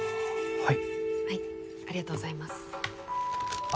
・はい。